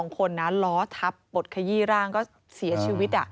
๒คนนะล้อทับบดขยี้ร่างก็เสียชีวิต